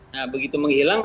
nah begitu menghilang